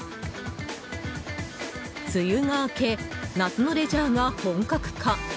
梅雨が明け夏のレジャーが本格化。